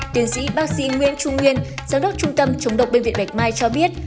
tiến sĩ bác sĩ nguyễn trung nguyên giám đốc trung tâm chống độc bên việt bạch mai cho biết